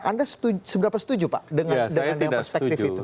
anda seberapa setuju pak dengan perspektif itu